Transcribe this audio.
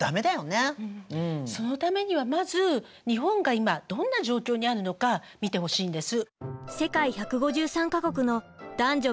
そのためにはまず日本が今どんな状況にあるのか見てほしいんです。